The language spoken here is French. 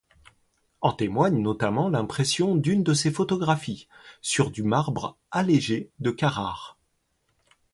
En témoigne notamment l’impression d’une de ses photographies sur du marbre allégé de Carrare.